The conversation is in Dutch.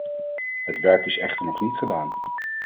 Het werk is echter nog niet gedaan.